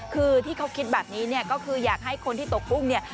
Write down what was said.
คือที่เขาคิดแบบนี้เนี่ยก็คืออยากให้คนที่ตกกุ้งเนี่ย